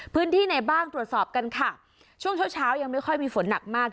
พื้นที่ไหนบ้างตรวจสอบกันค่ะช่วงเช้าเช้ายังไม่ค่อยมีฝนหนักมาก